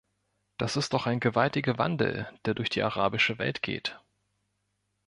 Das ist doch ein gewaltiger Wandel, der durch die arabische Welt geht.